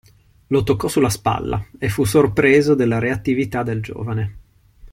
Lo toccò sulla spalla, e fu sorpreso della reattività del giovane.